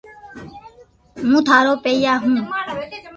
ھون ٿارو پيتا ھون